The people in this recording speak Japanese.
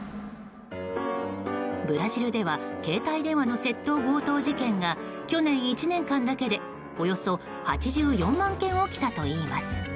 ブラジルでは携帯電話の窃盗・強盗事件が去年１年間だけでおよそ８４万件起きたといいます。